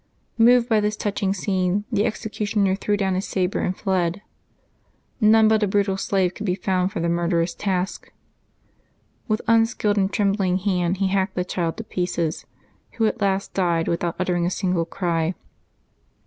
Moved by this touching scene, the executioner threw down his sabre and fled. None but a brutal slave could be found for the murderous task; with unskilled and trembling hand he hacked the child to pieces, who at last died without uttering a single cry.